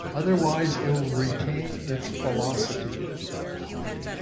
Otherwise it will retain its velocity.